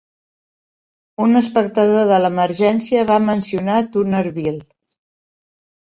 Un espectador de l'Emergència va mencionar Toonerville.